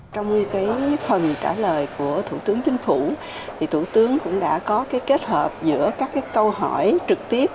trong phần trả lời của thủ tướng chính phủ thủ tướng cũng đã có kết hợp giữa các câu hỏi trực tiếp